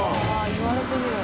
言われてみれば。